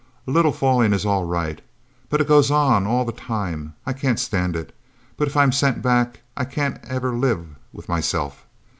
A little falling is all right... But it goes on all the time. I can't stand it! But if I'm sent back I can't ever live with myself!..."